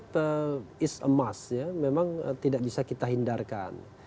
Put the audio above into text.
perubahan itu is a must ya memang tidak bisa kita hindarkan